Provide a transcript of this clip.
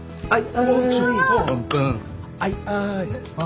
はい。